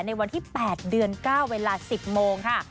ในวันที่๘เดือน๙เวลา๑๐โมงค่ะ